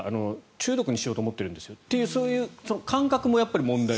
中毒にしようと思ってるんですよというそういう感覚も問題。